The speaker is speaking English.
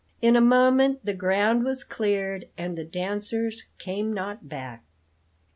In a moment the ground was cleared and the dancers came not back."